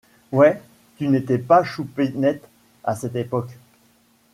Ouais : tu n’étais pas choupinette, à cette époque.